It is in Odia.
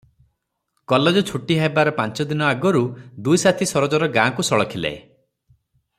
କଲେଜ ଛୁଟି ହେବାର ପାଞ୍ଚଛଅ ଦିନ ଆଗରୁ ଦୁଇ ସାଥୀ ସରୋଜର ଗାଁକୁ ସଳଖିଲେ ।